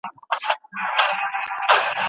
د دولتونو ترمنځ کلتوري تړاوونه اړیکي پياوړي کوي.